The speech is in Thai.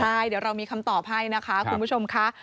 ใช่เดี๋ยวเรามีคำตอบให้นะคะคุณผู้ชมค่ะ